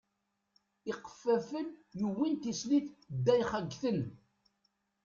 Iqeffafen yuwin tislit ddayxa ggten.